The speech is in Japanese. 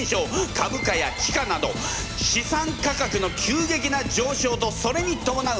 株価や地価など資産価格の急激な上昇とそれにともなう